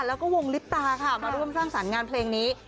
แล้วก็วงลิปตาค่ะมาร่วมสร้างสรรค์งานเพลงนี้